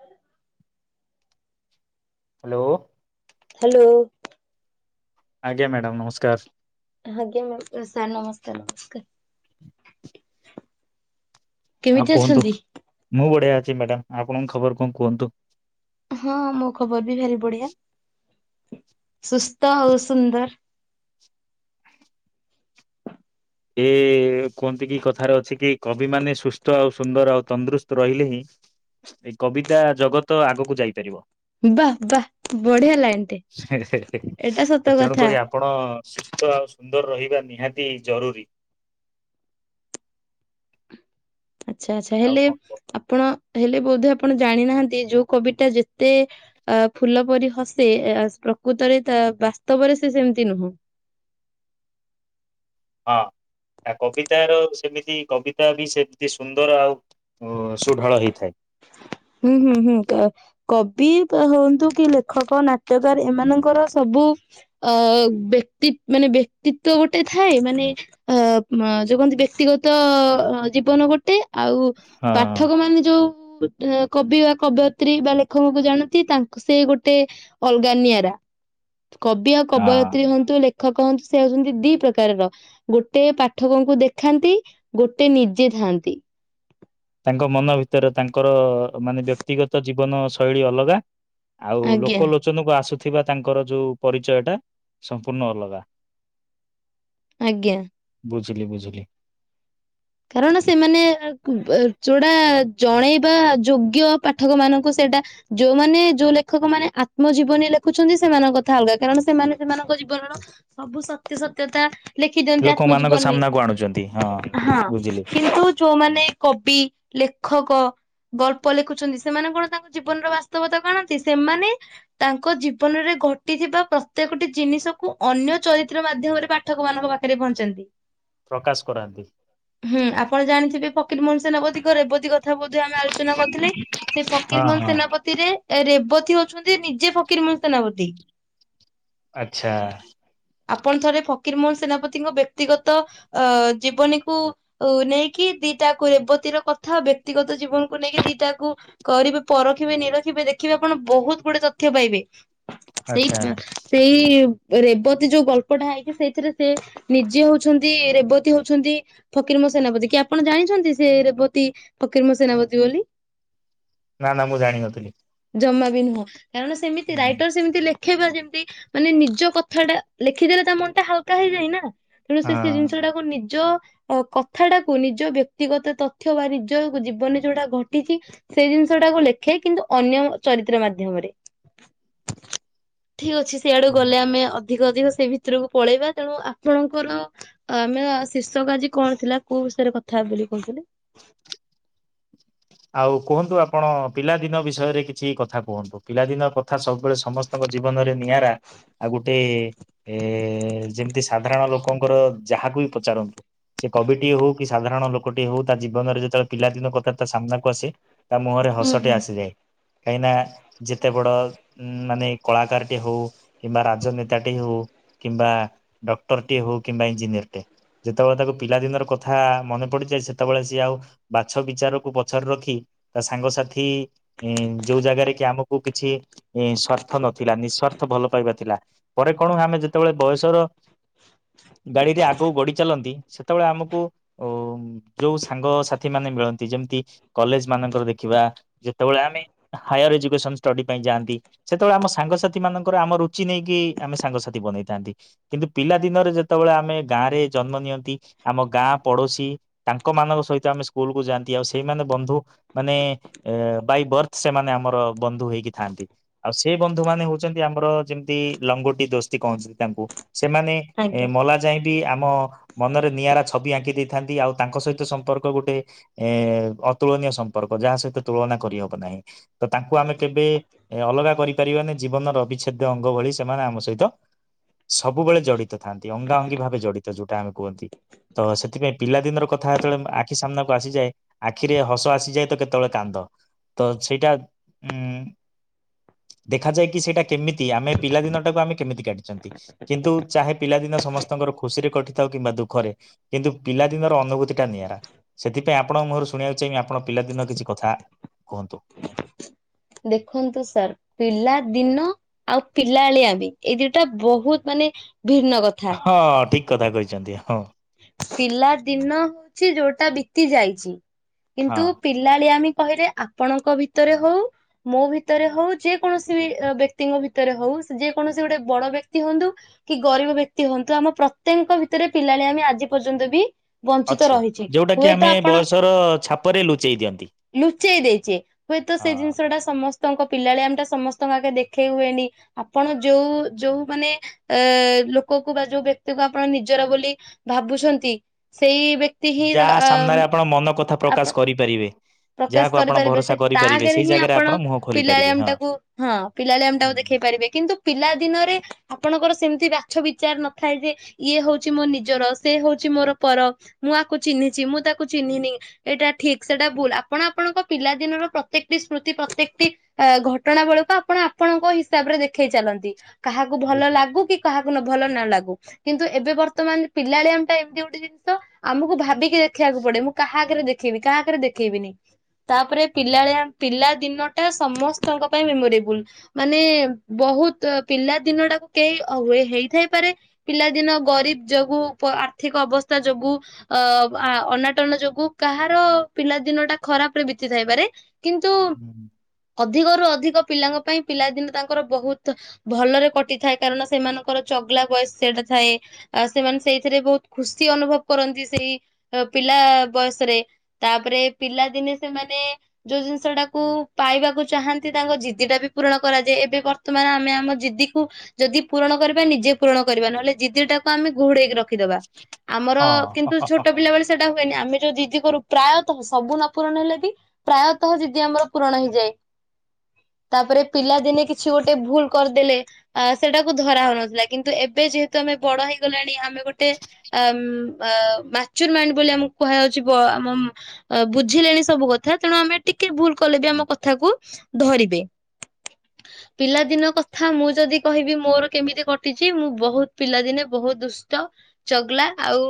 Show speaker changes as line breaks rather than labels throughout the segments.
ହ
hello.
Hello.
ଆଜ୍ଞା madam ନମସ୍କାର।
ଆଜ୍ଞା ମ ସାର୍ ନମସ୍କାର ନମସ୍କାର।
ଆଉ
କେମିତି
କୁହନ୍ତୁ
ଅଛନ୍ତି?
ମୁଁ ବଢଆ। ମ୍ୟାଡ଼ାାମ ଆପଣଙ୍କ ଖବର କଣ କୁହନ୍ତୁ?
ହଁ ମୋ ଖବର ବି ଭାରି ବଢିଆ। ସୁସ୍ଥ ଆଉ ସୁନ୍ଦର।
ହୁଁ କୁହନ୍ତି କି କଥାରେ ଅଛି କି କବି ମାନେ ସୁସ୍ଥ ଆଉ ସୁନ୍ଦର ଆଉ ତନ୍ଦରୁସ୍ତ ରହିଲେ ହିଁ ଏଇ କବିତା ଜଗତ ଆଗକୁ ଯାଇପାରିବ।
ବାଃ ବାଃ ବଢିଆ ଲାଇନ ଟେ ଏଇଟା ସତ କଥା
ତେଣୁକରି ଆପଣ ସୁସ୍ଥ ଆଉ ସୁନ୍ଦର ରହି ନିହାତି ଜରୁରୀ। [inaudible]
ଆଚ୍ଛା ଆଛା
ଆଉ
ହେଲେ
କଣ କୁହ?
ଆପଣ? ହେଲେ ବୋଧେ ଆପଣ ଜାଣିନାହାନ୍ତି ଯୋଉ କବି ଟା ଯେତେ ଅ ଫୁଲ ପରି ହସେ ପ୍ରକୃତରେ ତା ବାସ୍ତବରେ ସେ ସେମିତି ନୁହଁ।
ଯେମିତି କବିତା ବି ସେମିତି ସୁନ୍ଦର ଆଉ ସୁଢାଳ ହେଇଥାଏ।
ହୁଁ ହୁଁ ହୁଁ କବି ହୁଅନ୍ତୁ କି ଲେଖକ ନାଟ୍ୟକାର ଏମାନଙ୍କର ସବୁ ଅ ବ୍ୟକ୍ତି ମାନେ ବ୍ୟକ୍ତିତ୍ଵ ଗୋଟେ ଥାଏ ମାନେ ଅ ଯୋଉ କହନ୍ତି ବ୍ୟକ୍ତିଗତ ଜୀବନ ଗୋଟେ ଆଉ
ହଁ।
ପାଠକ ମାନେ ଯୋଉ ହ କବି ବା କବୟିତ୍ରୀ ବା ଲେଖକଙ୍କୁ ଜାଣନ୍ତି ତାଙ୍କୁ ସେ ଗୋଟେ ଅଲଗାନିଆରା କବି ଆଉ
ହଁ
କବୟତିତ୍ରୀ ହୁଅନ୍ତୁ ଲେ ଖ କହନ୍ତି ସେ ହୋଉଛନ୍ତି ଦି ପ୍ରକାରର। ଗୋଟେ ପାଠକଙ୍କୁ ଦେଖାନ୍ତି ଗୋଟେ ନିଜେ ଥାଆନ୍ତି।
ତାଙ୍କ ମନ ଭିତରେ ତାଙ୍କର ମାନେ ବ୍ୟକ୍ତିଗତ ଜୀବନ ଶୈଳୀ ଅଲଗା। ଆଉ
ଆଜ୍ଞା
ଲୋକ ଲୋଚନ କୁ ଆସୁ ଥିବା ତାଙ୍କର ଯୋଉ ପରିଚୟଟା ସମ୍ପୂର୍ଣ୍ଣ ଅଲଗା।
ଆଜ୍ଞା।
ବୁଝିଲି ବୁଝିଲି।
କାରଣ ସେମାନେ ଆ କୁ ବ ଯୋଉଟା ଜଣେଇବା ଯୋଗ୍ୟ ପାଠକମାନଙ୍କୁ ସେଇଟା ଯୋଉମାନେ ଯୋଉ ଲେଖକମାନେ ଆତ୍ମ ଜୀବନୀ ଲେଖୁଛନ୍ତି ସେମାନଙ୍କ କଥା ଅଲଗା କାରଣ ସେମାନେ ସେମାନଙ୍କ ଜୀବନର ସବୁ ସତ୍ୟ ସତ୍ୟତା ଲେଖି ଦିଅନ୍ତି
ଲୋକମାନାନଙ୍କ
ଆତ୍ମଜୀବନରେ
ସାମ୍ନାକୁ ଆଣୁଚନ୍ତି। ହଁ।
ହଁ
ବୁ
କିନ୍ତୁ ଯୋଉମାନେ କବି ଲେଖକ ଗଳ୍ପ ଲେଖୁଛନ୍ତି ସେମାନେ କଣ ତାଙ୍କ ଜୀବନର ବାସ୍ତବତାକୁ ଆଣନ୍ତି? ସେମାନେ ତାଙ୍କ ଜୀବନରେ ଘଟିଥିବା ପ୍ରତ୍ୟେକଟି ଜିନିଷକୁ ଅନ୍ୟ ଚରିତ୍ର ମାଧ୍ୟମରେ ପାଠକମାନଙ୍କ ପାଖରେ ପହଞ୍ଚାନ୍ତି।
ପ୍ରକାଶ କରାନ୍ତି।
ହୁଁ ଆପଣ ଜାଣିଥିବେ ଫକୀର ମୋହନ ସେନାପତିକ ରେବତୀ ଗ କଥା ବୋଧ ହୁଏ ଆମେ ଆଲୋଚନା କରିଥିଲେ ସେଇ
ହଁ
ଫକୀର ମୋହନ
ହଁ
ସେନାପତିରେ ଏ ରେବତୀ ହୋଉଛନ୍ତି ନିଜେ ଫକୀରମହନ ସେନାପତି।
ଆଚ୍ଛା।
ଆପଣ ଥରେ ଫକୀର ମୋହନ ସେନାପତିଙ୍କ ବ୍ୟକ୍ତିଗତ ଅ ଜୀବନୀକୁ ଉ ନେଇକି ଦିଟାକୁ ରେବତୀର କଥା ଆଉ ବ୍ୟକ୍ତିଗ ତ ଜୀବନକୁ ନେଇକି ଦିଟାକୁ କରିବେ ପରଖିବେ ନିରଖିବେ ଦେଖିବେ ଆପଣ ବୋହୁତ ଗୁଡେ ତଥ୍ୟ ପାଇବେ। ସେଇ
ଆଚ୍ଛା
ପା ସେଇ ରେବତୀ ଯୋଉ ଗଳ୍ପଟା ହାଇକି ସେଇଥିରେ ସେ ନିଜେ ହୋଉଛନ୍ତି ରେବତୀ ହୋଉଛନ୍ତି ଫକିର ମୋ ସେନାପତି କି ଆପଣ ଜାଣିଛନ୍ତି ସେ ରେବତୀ ଫକିର ମୋ ସେନାପତି ବୋଲି?
ନାଁ ନାଁ ମୁଁ ଜାଣିନଥିଲି।
ଜମା ବି ନୁହଁ କାରଣ ସେମିତି ରାଇଟର ସେମିତି ଲେ ଖେଇବା ଯେମତି ମାନେ ନିଜ କଥାଟା ଲେଖିଦେଲେ ତା ମନଟା ହାଲକା ହେଇଯାଇ ନାଁ ‌ ତେଣୁ ସେ ସେ
ହଁ।
ଜିନିଷଟାକୁ ନିଜ ଅ କଥାଟାକୁ ନିଜ ବ୍ୟକ୍ତିଗତ ତଥ୍ୟ ବା ନିଜ ଜୀବନରେ ଯୋଉଟା ଘଟିଚି ସେ ଜିନିଷଟାକୁ ଲେଖେ କିନ୍ତୁ ଅନ୍ୟ ଚରିତ୍ର ମାଧ୍ୟମରେ। ଠିକ୍ ଅଛି ସେଇଆଡ଼ୁ ଗଲେ ଆମେ ଅ ଧିକ ଅଧିକ ସେଇ ଭିତୁରକୁ ପଳେଇବା ତେଣୁ ଆପଣଙ୍କର ଆମେ ଶୀର୍ଷକ ଆଜି କଣ ଥିଲା କୋଉ ବିଷୟରେ କଥା ହବା ବୋଲି କୋହୁଥୁଲେ?
ଆଉ କୁହନ୍ତୁ ଆପଣ ପିଲାଦିନ ବିଷୟରେ କିଛି କଥା କୁହନ୍ତୁ। ପିଲାଦିନ କ ଥା ସବୁବେଳେ ସମସ୍ତଙ୍କ ଜୀବନରେ ନିଆରା ଆଉ ଗୋଟେ ଏ ଯେମତି ସାଧାରଣ ଲୋ କଙ୍କର ଯାହାକୁ ବି ପଚାରନ୍ତୁ ସେ କବିଟିଏ ହୋଉ କି ସାଧାରଣ ଲୋକଟିଏ ହୋଉ ତା ଜୀବନରେ ଯେତୋଳେ ପିଲାଦିନ କଥା ତା ସାମ୍ନା କସି ତା ମୁହଁରେ
ହୁଁ
ହସଟିଏ
ହୁଁ।
ଆସିଯାଏ। କାହିଁକିନା ଯେତେ ବଡ ଉ ମାନେ କଳାକାରଟି ହଉ, କିମ୍ବା ରାଜନେତାଟି ହଉ, କିମ୍ବା ଡକ୍ଟରଟି ହଉ କିମ୍ବା ଇଞ୍ଜିନିୟରଟିେ ଯେତେବେଳେ ତାକୁ ପିଲାଦିନର କଥା ମନେ ପଡିଯାଏ ସେତେବେଳେ ସିଏ ଆଉ ବାଛ ବିଚାରକୁ ପଛରେ ରଖି ତା ସାଙ୍ଗସାଥି ଯୋଉ ଜାଗାରେରେ କି ଆମକୁ କିଛି ସ୍ଵାର୍ଥ ନଥିଲା ନିଃସ୍ଵାର୍ଥ ଭଲ ପାଇବା ଥିଲା ପରେ କଣ ଆମେ ଯେତେବେଳେ ବୟସର ଗାଡିରେ ଆଗକୁ ଗଡି ଚାଲନ୍ତି ସେତେବେଳେ ଆମକୁ ଅ ଯୋଉ ସାଙ୍ଗସଥି ମାନେ ମିଳନ୍ତି ଯେମତି କଲେଜ ମାନଙ୍କର ଦେଖିବା ଯେତେବେଳେ ଆମେ ହାୟାର ଏଜୁକେସନ ଷ୍ଟଡି ପାଇଁ ଯାଆନ୍ତି ସେତେବେଳେ ଆମ ସାଙ୍ଗସାଥି ମାନଙ୍କର ଆମ ରୁଚି ନେଇକି ଆମେ ସାଙ୍ଗସାଥି ବନେଇଥାନ୍ତି। କିନ୍ତୁ ପିଲା ଦିନରେ ଯେତେବେଳେ ଆମେ ଗାଁ ରେ ଜନ୍ମ ନିଅନ୍ତି ଆମ ଗାଁ ପଡୋଶୀ ତାଙ୍କ ମାନଙ୍କ ସହିତ ଆମେ ସ୍କୁଲକୁୁ ଯାଆନ୍ତି ଆଉ ସେଇମାନେ ବନ୍ଧୁ ମାନେ ବାଇବର୍ ସେମାନେ ଆମର ବନ୍ଧୁ ହେଇକି ଥାନ୍ତି। ଆଉ ସେ ବନ୍ଧୁ ମାନେ ହଉଛନ୍ତି ଆମର ଯେମିତି ଲଙ୍ଗୋଟି ଦୋସ୍ତି କଛନ୍ତି ତାଙ୍କୁ ସେମାନେ ଏ
ଆଜ୍ଞା
ମଲା ଯାଇ ଆମ ମନରେ ନିଆରା ଛବି ଆଙ୍କି ଦେଇଥାନ୍ତି ଆଉ ତାଙ୍କ ସହିତ ସମ୍ପର୍କ ଗୋଟେ ଏ ତୁଳନୀୟ ସମ୍ପର୍କ ଯାହା ସହିତ ତୁଳନା କରିହବ ନାହିଁ। ତ ତାଙ୍କୁ ଆମେ କେବେ ଅଲଗା କରିପାରିବାାନି ଜୀବନର ଅବିଚ୍ଛେଦ୍ୟ ଅଙ୍ଗ ଭଳି ସେମାନେ ଆମ ସହିତ ସବୁବେଳେ ଜଡିତ ଥାନ୍ତି ଅଙ୍ଗା ଅଙ୍ଗୀ ଭାବେ ଜଡିତ ଯୋଉଟା ଆମେ କୁହନ୍ତି। ତ ସେଥିପାଇଁ ପିଲାଦିନର କଥା ଯେତେବେଳେ ଆଖି ସାମ୍ନାକୁ ଆସିଯାଏ ଆଖିରେ ହସ ଆସିଯାଏ ତ କେତେବେଳେ କାନ୍ଦ ତ ସେଇଟା ଉ ଦେଖାଯାଏ କି ସେଇଟା କେମିତି ଆମେ ପିଲାଦିନ ଟାକୁ ଆମେ କେମିତି କାଟିଛନ୍ତି। କିନ୍ତୁ ଚାହେ ପିଲାଦିନ ସମସ୍ତଙ୍କର ଖୁସିରେ କଟିଥାଉ କିମ୍ବା ଦୁଃଖରେ କିନ୍ତୁ ପିଲାଦିନର ଅନୁଭୂତି ଟା ନିଆରା ସେଥିପାଇଁ ଆପଣଙ୍କ ମୁହଁର ଶୁଣିବାକୁ ଚାହିଁବ ଆପଣ ପିଲାଦିନ କିଛି କଥା କୁହନ୍ତୁ?
ଦେଖନ୍ତୁ ସାର୍ ପିଲା ଦିନ ଆଉ ପିଲାଳିଆମି ବି ଏଇ ଦିଇଟା ବହୁତ ମାନେ ଭିନ୍ନ କଥା
ହଁ ଠିକ କଥା କହିଛନ୍ତି ହଁ।
ପିଲା ଦିନ ହଉଛି ଯୋଉଟା ବିତି ଯାଇଛି।
ହଁ
କିନ୍ତୁ ପିଲାଳିଆମି କହିଲେ ଆପଣଙ୍କ ଭିତରେ ହଉ ମୋ ଭିତରେ ହଉ ଯେ କୌଣସି ବ୍ୟକ୍ତିଙ୍କ ଭିତରେ ହଉ ଯେ କୌଣସି ଗୋଟେ ବଡ ବ୍ୟକ୍ତି ହୁଅନ୍ତୁ କି ଗରିବ ବ୍ୟକ୍ତି ହୁଅନ୍ତୁ ଆମ ପ୍ରତ୍ୟେକଙ୍କ ଭିତରେ ପିଲାଳିଆମି ଆଜି ପର୍ଯ୍ୟନ୍ତ ବି ବଞ୍ଚିତ
ଅଛି
ରହିଛି।
ଯୋଉଟା କି
ହୁଏତ
ଆମେ
ଆପଣ
ବୟସର ଛାପରେ ଲୁଚେଇ ଦିଅନ୍ତି
ଲୁଚେଇ ଦେଇଛେ ହୁଏତ
ହଁ
ସେଇ ଜିନିଷ ଟା ସମସ୍ତଙ୍କ ପିଲାଳିଆମି ଟା ସମସ୍ତଙ୍କ ଆଗେ ଦେଖେଇ ହୁଏନି ଆପଣ ଯୋଉ ଯୋଉ ମାନେ ଅ ଲୋକକୁ ବା ଯୋଉ ବ୍ୟକ୍ତିକୁ ଆପଣ ନିଜର ବୋଲି ଭାବୁଛନ୍ତି ସେଇ ବ୍ୟକ୍ତି ହିଁ
ଯା
ଆ
ସାମ୍ନାରେ ଆପଣ ମନ କଥା
ଆପଣ
ପ୍ରକାଶ କରିପାରିବେ।
ପ୍ରକାଶ
ଯାହାକୁ ଆପଣ
କରିପାରିବେ ସେ
ଭରସା
ତା
କରିପାରିବେ
ଆଗରେ
ସେଇ
ହିଁ
ଜାଗାରେ
ଆପଣ
ମୁହଁ ଖୋଲି ପାରିବେ ହଁ
ପିଲାଳିଆମିଟାକୁ ହଁ ପିଲାଳିଆମଟାକୁ ଦେଖେଇ ପାରିବେ କିନ୍ତୁ ପିଲା ଦିନରେ ଆପଣଙ୍କର ସେମିତି ବାଛବିଚାର ନଥାଏ ଯେ ଇଏ ହଉଛି ମୋ ନିଜର ସେ ହଉଛି ମୋର ପର ମୁଁ ଆକୁ ଚିହ୍ନିଛି ମୁଁ ତାକୁ ଚିହ୍ନିନି ଏଇଟା ଠିକ ସେଟା ଭୁଲ। ଆପଣ ଆପଣଙ୍କ ପିଲାଦିନର ପ୍ରତ୍ୟେକଟି ସ୍ମୃତି ପ୍ରତ୍ୟେକଟି ଘଟଣା ବଳକୁ ଆପଣ ଆପଣଙ୍କ ହିସାବ ରେ ଦେଖେଇ ଚାଲନ୍ତି। କାହାକୁ ଭଲ
ବୁଝିଲି
ଲାଗୁ କି କାହାକୁ ନ ଭଲ ନ ଲାଗୁ କିନ୍ତୁ ଏବେ ବର୍ତ୍ତମାନ ପିଲାଳିଆମଟା ଏମିତି ଗୋଟେ ଜିନିଷ ଆମକୁ ଭାବିକି ଦେଖିବାକୁ ପଡେ ମୁଁ କାହାକରେ ଦେଖେଇବି କାହାକରେ ଦେଖେଇବିିନି ତାପରେ ପିଲାଳିଆ ପିଲା ଦିନଟା ସମସ୍ତଙ୍କ ପାଇଁ ମେମୋରେବୁଲ ମାନେ ବହୁତ ପିଲା ଦିନଟାକୁ କେହି ହେଇଥାଇପାରେ ପିଲାଦିନ ଗରିବ ଯୋଗୁ ଆର୍ଥିକ ଅବସ୍ଥା ଯୋଗୁ ଅ ଅନାଟନ ଯୋଗୁ କାହାର ପିଲା ଦିନଟା ଖରାପ ରେ ବିତିଥାଇପାରେ। କିନ୍ତୁ ଅଧିକରୁୁ ଅଧିକ ପିଲାଙ୍କପାଇଁ ପିଲାଦିନ ତାଙ୍କର ବହୁତ ଭଲରେ କଟିଥାଏ କାରଣ ସେମାନଙ୍କର ଚଗଲା ବୟସ ସେଟା ଥାଏ ଆ ସେମାନେ ସେଇଥିରେ ବହୁତ ଖୁସି ଅନୁଭବ କରନ୍ତି ସେଇ ପିଲା ବୟସରେ ତାପରେ ପିଲାଦିନେ ସେମାନେ ଯୋଉ ଜିନିଷ ଟାକୁ ପାଇବାକୁ ଚାହାନ୍ତି ତାଙ୍କ ଜିଦି ଟା ବି ପୂରଣ କରାଯାଏ ଏବେ ବର୍ତ୍ତମାନ ଆମେ ଆମ ଜିଦିକୁୁ ଯଦି ପୂରଣ କରିବା ନିଜେ ପୂରଣ କରିବା ନହେଲେ ଜିଦି ଟାକୁ ଆମେ ଘୋଡେଇକି ରଖିବା। ରଖିଦବା ଆମର
ହଁ
କିନ୍ତୁ ଛୋଟ ପିଲାବେଳେ ସେଟା ହୁଏନି ଆମେ ଯୋଉ ଜିଜିି କରୁ ପ୍ରାୟତଃ ସବୁ ନ ପୂରଣ ହେଲେ ବି ପ୍ରାୟତଃ ଜିଦି ଆମର ପୂରଣ ହେଇଯାଏ। ତାପରେ ପିଲା ଦିନେ କିଛି ଗୋଟେ ଭୁଲ କରିଦେଲେ ସେଟାକୁ ଧରା ହଉନଥିଲା କିନ୍ତୁ ଏବେ ଯେହେତୁ ଆମେ ବଡ ହେଇଗଲାଣି ଆମେ ଆମେ ଗୋଟେ ଆ ମଚୁର ମାଇଣ୍ଡ ବୋଲି ଆମକୁ କୁହାଯାଉଛି ଵ ଆମ ବୁଝିଲେଣି ସବୁ କଥା ତେଣୁ ଆମେ ଟିକେ ଭୁଲ କଲେ ବି ଆମ କଥାକୁ ଧରିବେ ପିଲାଦିନ କଥା ମୁଁ ଯଦି କହିବି ମୋର କେମିତି କଟିଛି ମୁଁ ବହୁତ ପିଲାଦିନେ ବହୁତ ଦୁଷ୍ଟ ଚଗଲା ଆଉ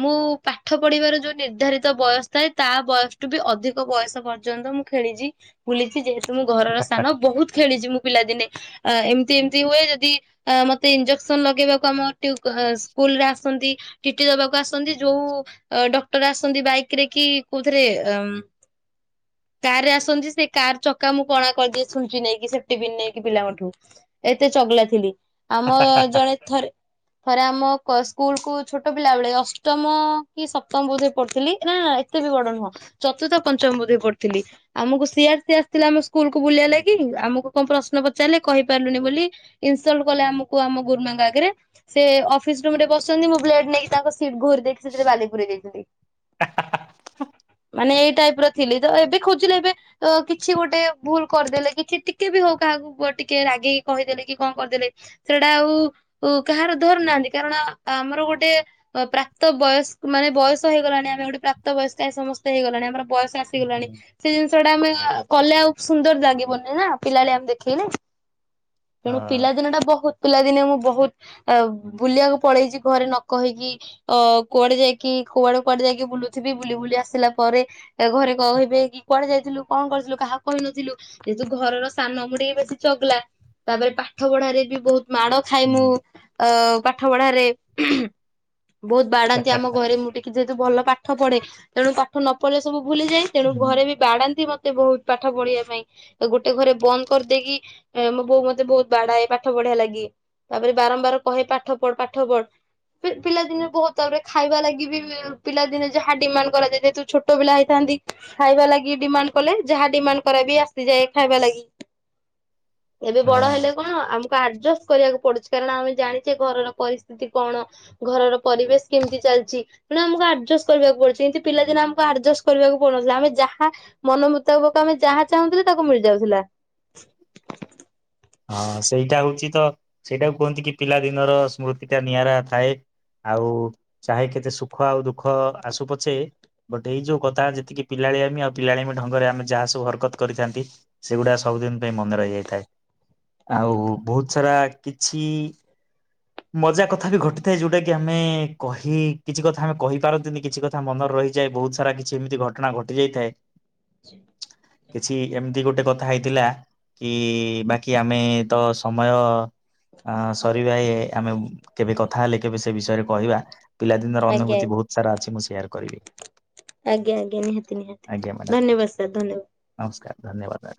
ମୁଁ ପାଠ ପଢିବାର ଯୋଉ ନିର୍ଦ୍ଧାରିତ ବୟସ ଥାଏ ତା ବୟସଠୁ ବି ଅଧିକ ବୟସ ପର୍ଯ୍ୟନ୍ତ ମୁଁ ଖେଳିଛି। ବୁଲିଛି ଯେହେତୁ ମୁଁ ଘରର ସ୍ଥାନ ବହୁତ ଖେଳିଛି ମୁଁ ପିଲାଦିନେ। ଏମିତି ଏମିତି ହୁଏ ଯଦି ମତେ ଇନ୍ଞ୍ଜେକ୍ସନ ଲଗେଇବାକୁ ଆମର ସ୍କୁଲରେ ଆସନ୍ତି ଟିଟି ଦବାକୁ ଆସନ୍ତି ଯୋଉ ଡକ୍ଟର ଆସନ୍ତି ବାଇକ୍ ରେ କି କୋଉଥିରେ କାର ରେ ଆସନ୍ତି ସେ କାର ଚକା ମୁଁ କଣା କରିଦିଏ ଛୁଞ୍ଚି ନେଇକି ସେପଟିପିନ୍ ନେଇକି ପିଲାଙ୍କଠୁ ଏତେ ଚଗଲା ଥିଲି। ଆମ
ହଁ।
ଜଣେ ଥରେ ଥରେ ଆମ ସ୍କୁଲ କୁ ଛୋଟ ପିଲା ବେଳେ ଅଷ୍ଟମ କି ସପ୍ତମ ବୋଧ ପଢୁଥିଲି। ନା ଏତେ ବି ବଡ ନୁହଁ ଚତୁର୍ଥ ପଞ୍ଚମ ବୋଧେ ପଢୁଥିଲି ଆମକୁ ସିଆର୍ସି ଆସିଥିଲା ଆମ ସ୍କୁଲକୁୁ ବୁଲିବା ଲାଗି ଆମକୁ କଣ ପ୍ରଶ୍ନ ପଚାରିଲେ କହିପାରିଲୁନି ବୋଲି ଇନସଲଟ କଲେ ଆମକୁ ଆମ ଗୁରୁମାଙ୍କ ଆଗରେ ସେ ଅଫିସ ରୁମରେ ବସଛନ୍ତି ମୁଁ ବ୍ଲେଡ ନେଇକି ତାଙ୍କ ସିଟ ଘୋରି ଦେଇକି ସେଥିରେ ବାଲିପୁରେଇଦେଇଥିଲି। ମାନେ ଏଇ ଟାଇପ ର ଥିଲି ତ ଏବେ ଖୋଜିଲେ ଏବେ କିଛି ଗୋଟେ ଭୁଲ କରିଦେଲେ କିଛି ଟିକେ ବି ହଉ କାହାକୁ ଟିକେ ରାଗେଇିକି କହିଦେଲେ କି କଣ କରିଦେଲେ ସେଇଟା ଆଉ କାହାର ଧରୁ ନାହାନ୍ତି କାରଣ ଆମର ଗୋଟେ ପ୍ରାପ୍ତ ବୟସ ମାନେ ବୟସ ହେଇଗଲାଣି ଆମେ ଗୋଟେ ପ୍ରାପ୍ତ ବୟସ୍କ ପ୍ରାଏ ସମସ୍ତ ହେଇଗଣି ଆମର ବୟସ
ହୁଁ
ଆସିଗଲାଣି
ହୁଁ,
ସେ ଜିନିଷ ଟା ଆମେ କଲେ ଆଉ ସୁନ୍ଦର ଲାଗିବନି ନା ପିଲାଳିଆମି ଦେଖେଇଲେ ତେଣୁ
ହଁ
ପିଲାଦିନ ଟା ବହୁତ ପିଲାଦିନେ ମୁଁ ବହୁତ ଅ ବୁଲିବାକୁ ପଳେଇଛି ଘରେ ନ କହିକି ଅ କୁଆଡେ ଯାଇକି କୁଆଡେ କୁଆଡେ ଯାଇକି ବୁଲୁ [inaudible] ବି ବୁଲି ବୁଲି ଆସିଲା ପରେ ଘରେ କହିବେ କି କୁଆଡେ ଯାଇଥିଲୁ କଣ କରିଥିଲୁ କାହା କହିନଥିଲୁ ଯେହେତୁ ଘରର ସାନ ମୁଁ ଟିକେ ବେଶୀ ଚଗଲା ତାପରେ ପାଠ ପଢାରେ ବି ବହୁତ ମାଡ ଖା ମୁଁ
ହୁଁ।
ଅ ପା ପାଠପଢାରେ ବହୁତ ବାଡାନ୍ତି ଆମ ଘରେ ମୁଁ ଟିକେ ଯେହେତୁ ଭଲ ପା ପାଠ ପଢେ ତେଣୁ ପାଠ ନ ପଢିଲେ ସବୁ ଭୁଲିଯାଏ ତେଣୁ
ହୁଁ,
ଘରେ ବି ବାଡ଼ାନ୍ତି ମତେ ସେ ବହୁତ ପାଠ ପଢ଼ିବା ପାଇଁ ଗୋଟେ ଘରେ ବନ୍ଦ କରିଦେଇକି ଏ ମୋ ବୋଉ ମତେ ବହୁତ ବାଡ଼ାଏ ପାଠ ପଢ଼ିବା ଲାଗି ତାପରେ ବାରମ୍ବାର କହେ ପାଠ ପଢ଼ପାଠ ପଢ ପିଲାଦିନେ ବହୁତ ତାପରେ ଖାଇବା ଲାଗି ବି ପିଲାଦିନେ ଯାହା ଡିମାଣ୍ଡ କରାଯାଏ ଯେହେତୁ ଛୋଟ ପିଲା ହେଇଥାନ୍ତି ଖାଇବା ଲାଗି ଡିମାଣ୍ଡ କଲେ ଯାହା ଡିମାଣ୍ଡ କରା ବି ଆସିଯାଏ ଖାଇବା ଲାଗି ଏବେ ବଡ଼
ହଁ
ହେଲେ କଣ ଆମକୁ ଆଡ଼ଜଷ୍ଟ କୁ ପଡ଼ୁଛି କାରଣ ଆମେ ଜାଣିଛେ ଘରର ପରିସ୍ଥିତି କଣ ଘରର ପରିବେଶ କେମିତି ଚାଲିଛି ତେଣୁ ଆମକୁ ଆ କରିବାକୁ ପଡ଼ୁଛି କିନ୍ତୁ ପିଲାଦିନ ଆମକୁ ଆଡ଼ଜଷ୍ଟ କରିବାକୁ ପଡ଼ୁନଥିଲା ଆମେ ଯାହା ମନ ମୁତାବକକୁ ଆମେ ଯାହା ଚାହୁଁଥିଲେ ତାକୁ ମିଳିଯାଉଥିଲା
ହଁ ସେଇଟା ହଉଛି ତ ସେଇଟାକୁ କୁହନ୍ତି କି ପିଲା ଦିନର ସ୍ମୃତିଟା ନିଆରା ଥାଏ ଆଉ ଚାହେ କେତେ ସୁଖ ଆଉ ଦୁଃଖ ଆସୁ ପଛେ ବଟ୍ ଏଇ ଯୋଉ କଥା ଯେତିକି ପିଲାଲିଆଳିମି ଆମି ଆଉ ପିଲାଳି ଢଙ୍ଗରେ ଆମେ ଯାହା ସବୁ ହରକତ କରିଥାନ୍ତି ସେଗୁଡ଼ା ସବୁଦିନ ପାଇଁ ମନେ ରହିଯାଇଥାଏ ଆଉ ବହୁତ ସାରା କିଛି ମଜା କଥା ବି ଘଟିଥାଏ ଯୋଉଟା କି ଆମେ କହି କିଛି କଥା ଆମେ କହିପାରନ୍ତିନି କିଛି କଥା ମନରେ ରହିଯାଏ ବହୁତ ସାରା କିଛି ଏମିତି ଘଟଣା ଘଟି ଯାଇଥାଏ
[unintelligible]
କିଛି ଏମିତି ଗୋଟେ କଥା ହେଇଥିଲା କି ବା କି ଆମେ ତ ସମୟ ଅ ସରିବା ଆମେ କେବେ କଥା ହେଲେ କେବେ ସେ ବିଷୟରେ କହିବା ପିଲାଦିନର
ଆଜ୍ଞା
ଅନୁଭୂତି
ଆଜ୍ଞା।
ବହୁତ ସାରା ଅଛି ମୁଁ ସେୟାର କରିବି
ଆଜ୍ଞା ଆଜ୍ଞା ନିହାତି ନିହାତି
ଆଜ୍ଞା ମ୍ୟାଡ଼ାମ
ଧନ୍ୟବାଦ ସାର୍ ଧନ୍ୟବାଦ
ନମସ୍କାର ଧନ୍ୟବାଦ